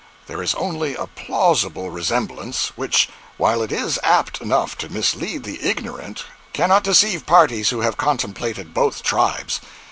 There is only a plausible resemblance, which, while it is apt enough to mislead the ignorant, cannot deceive parties who have contemplated both tribes.